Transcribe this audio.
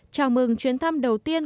chào mừng chuyến thăm đầu tiên